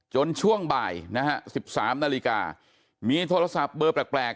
ช่วงบ่ายนะฮะ๑๓นาฬิกามีโทรศัพท์เบอร์แปลก